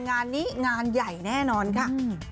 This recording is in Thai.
งานนี้งานใหญ่แน่นอนค่ะ